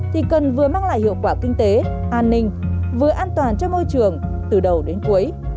thì cần vừa mang lại hiệu quả kinh tế an ninh vừa an toàn cho môi trường từ đầu đến cuối